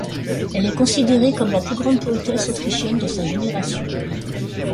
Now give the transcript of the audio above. Elle est considérée comme la plus grande poétesse autrichienne de sa génération.